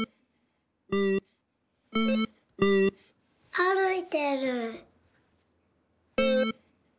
あるいてる。